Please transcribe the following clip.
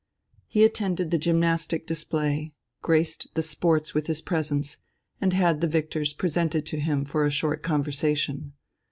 He attended the gymnastic display, graced the sports with his presence, and had the victors presented to him for a short conversation.